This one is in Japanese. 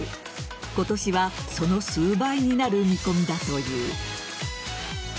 今年はその数倍になる見込みだという。